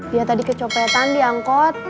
dia tadi kecopetan diangkot